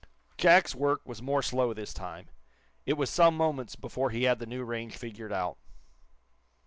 Jack's work was more slow, this time. It was some moments before he had the new range figured out.